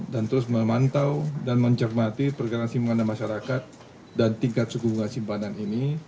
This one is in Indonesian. terus memantau dan mencermati perkembangan simpanan masyarakat dan tingkat suku bunga simpanan ini